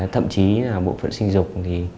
thậm chí bộ phận sinh dục